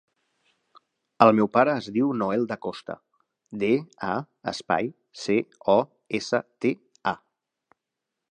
El meu pare es diu Noel Da Costa: de, a, espai, ce, o, essa, te, a.